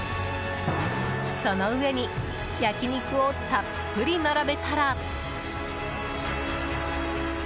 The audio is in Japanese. その上に焼き肉をたっぷり並べたら。